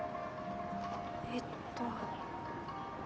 えっと。